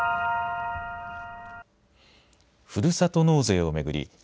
ふるさと納税を巡り